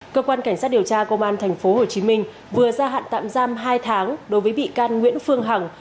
cơ quan cảnh sát điều tra công an tp hcm vừa ra hạn tạm giam hai tháng đối với bị can nguyễn phương hằng